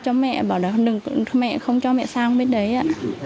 cho mẹ bảo là không cho mẹ sang bên đấy ạ